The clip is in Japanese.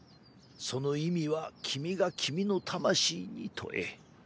その意味は君が君の魂に問え。